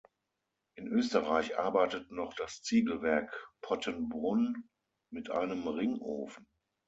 In Österreich arbeitet noch das Ziegelwerk Pottenbrunn mit einem Ringofen.